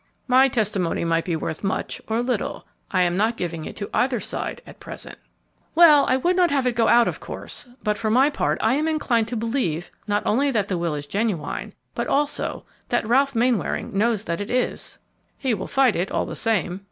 "My testimony might be worth much or little; I am not giving it to either side at present." "Well, I would not have it go out, of course; but for my part, I am inclined, to believe not only that the will is genuine, but also that Ralph Mainwaring knows that it is." "He will fight it all the same."